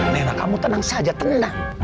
neira kamu tenang saja tenang